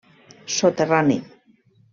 Soterrani: